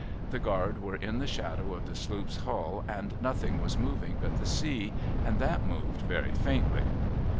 The guard were in the shadow of the sloop's hull, and nothing was moving but the sea, and that moved very faintly.